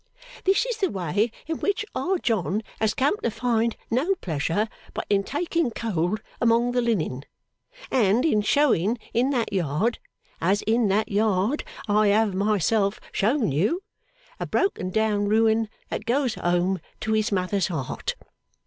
This is the way in which Our John has come to find no pleasure but in taking cold among the linen, and in showing in that yard, as in that yard I have myself shown you, a broken down ruin that goes home to his mother's heart!